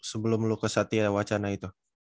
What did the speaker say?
sebelum lu ke satya wacana itu